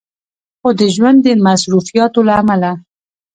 خو د ژوند د مصروفياتو له عمله